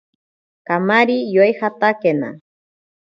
Kamari yoijatakena.